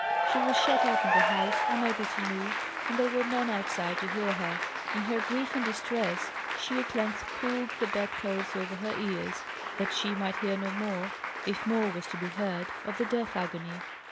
She was shut up in the house, unable to move; and there were none outside to hear her. In her grief and distress she at length pulled the bed clothes over her ears, that she might hear no more (if more was to be heard) of the death agony.